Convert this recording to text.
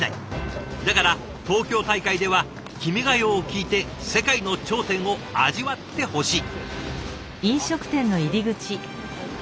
だから東京大会では「君が代」を聴いて世界の頂点を味わってほしい。